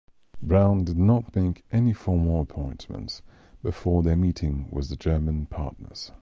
Brown did not make any formal appointments before their meeting with the German partners.